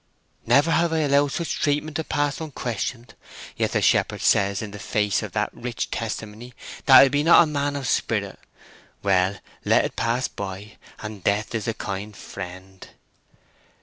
"Never have I allowed such treatment to pass unquestioned! Yet the shepherd says in the face of that rich testimony that I be not a man of spirit! Well, let it pass by, and death is a kind friend!"